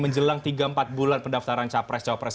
menjelang tiga empat bulan pendaftaran capres capres